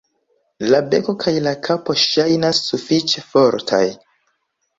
La beko kaj la kapo ŝajnas sufiĉe fortaj.